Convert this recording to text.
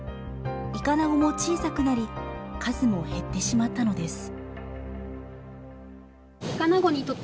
イカナゴも小さくなり数も減ってしまったのです。